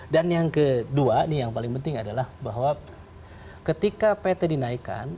dan yang kedua nih yang paling penting adalah bahwa ketika pt dinaikkan